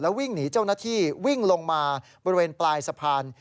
แล้ววิ่งหนีเจ้านาธิวิ่งลงมาบริเวณปลายสะพาน